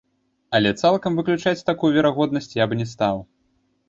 Але цалкам выключаць такую верагоднасць я б не стаў.